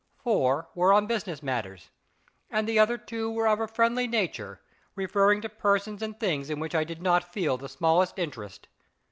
Four were on business matters, and the other two were of a friendly nature, referring to persons and things in which I did not feel the smallest interest.